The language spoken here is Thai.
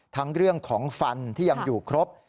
ทั้งเรื่องของฟันที่ยังอยู่ครบ